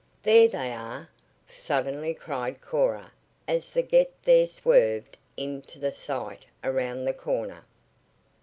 "There they are!" suddenly cried Cora as the Get There swerved into sight around the corner.